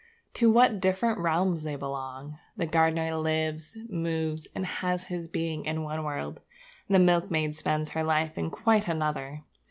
To what different realms they belong! The gardener lives, moves, and has his being in one world; the milkmaid spends her life in quite another.